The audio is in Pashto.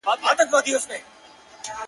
زه چي الله څخه ښكلا په سجده كي غواړم.